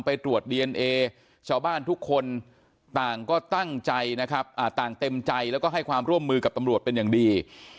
ไปตรวจดีเอนเอชาวบ้านทุกคนต่างก็ตั้งใจนะครับต่างเต็มใจแล้วก็ให้ความร่วมมือกับตำรวจเป็นอย่างดี